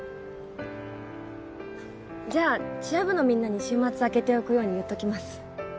じゃあチア部のみんなに週末空けておくように言っときます！